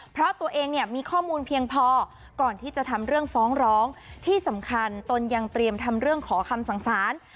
เพราะตัวเองเนี่ยมีข้อมูลเพียงพอก่อนที่จะทำเรื่องฟ้องร้องที่สำคัญตนยังเตรียมทำเรื่องขอคำสั่งสาร